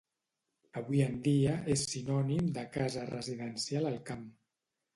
Avui en dia és sinònim de casa residencial al camp.